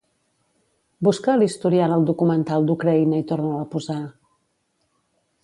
Busca a l'historial el documental d'Ucraïna i torna'l a posar.